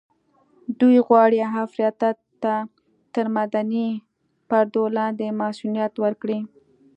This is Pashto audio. دوی غواړي افراطيت ته تر مدني پردو لاندې مصؤنيت ورکړي.